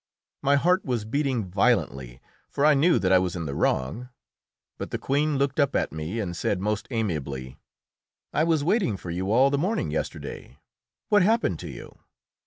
My heart was beating violently, for I knew that I was in the wrong. But the Queen looked up at me and said most amiably, "I was waiting for you all the morning yesterday; what happened to you?"